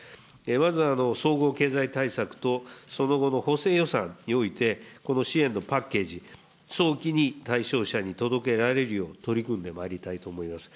まず、総合経済対策とその後の補正予算において、この支援のパッケージ、早期に対象者に届けられるよう取り組んでまいりたいと思います。